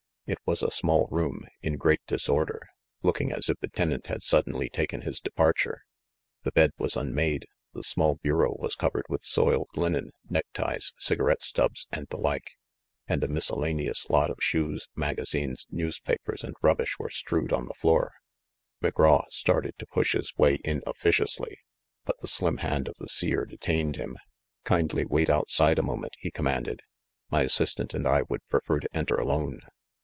It was a small room, in great disorder, looking as if the tenant had suddenly taken his departure. The bed was unmade, the small bureau was covered with soiled linen, neckties, cigarette stubs, and the like, and a mis cellaneous lot of shoes, magazines, newspapers, and rubbish were strewed on the floor. McGraw started to push his way in officiously ; but the slim hand of the Seer detained him. "Kindly wait outside a moment," he commanded. "My assistant and I would prefer to enter alone.